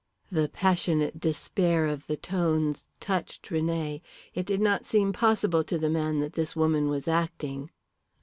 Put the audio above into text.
The passionate despair of the tones touched René. It did not seem possible to the man that this woman was acting.